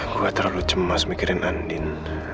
gue gak terlalu cemas mikirin andin